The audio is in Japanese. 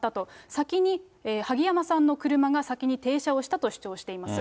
先に萩山さんの車が先に停車をしたと主張をしています。